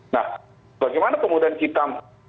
nah bagaimana kemudian kita